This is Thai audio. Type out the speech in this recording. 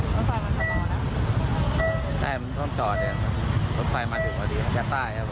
ถ้าให้มันต้องจอดเดี๋ยวครับรถไฟมาถึงตลอดดีละจะตายครับผม